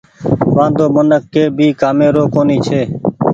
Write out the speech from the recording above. وآندو منک ڪي ڀي ڪآمي رو ڪونيٚ ڇي۔